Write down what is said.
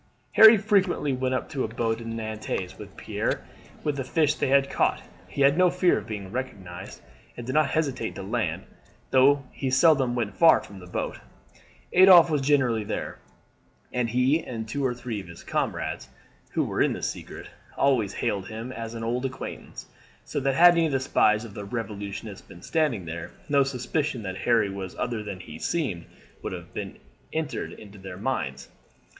Harry frequently went up in a boat to Nantes with Pierre with the fish they had caught. He had no fear of being recognized, and did not hesitate to land, though he seldom went far from the boat. Adolphe was generally there, and he and two or three of his comrades, who were in the secret, always hailed him as an old acquaintance, so that had any of the spies of the Revolutionists been standing there, no suspicion that Harry was other than he seemed would have entered their minds.